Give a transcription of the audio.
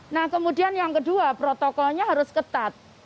nah kemudian yang kedua protokolnya harus ketat